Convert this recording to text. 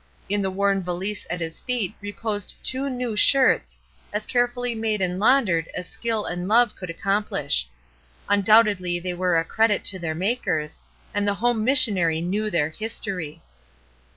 In | the worn valise at his feet reposed two new :| shirts, as carefully made and laundered as skill :| and love could accomphsh. Undoubtedly they J were a credit to their makers, and the home missionary knew their history.